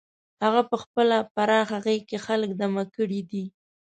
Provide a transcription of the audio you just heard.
هغه په خپله پراخه غېږه کې خلک دمه کړي دي.